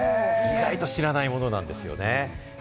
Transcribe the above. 意外と知らないものなんですよね。